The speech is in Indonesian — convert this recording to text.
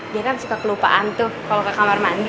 dia kan suka kelupaan tuh kalau ke kamar mandi